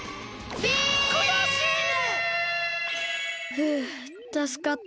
ふうたすかった。